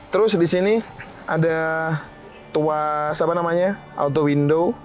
terus disini ada tuas apa namanya auto window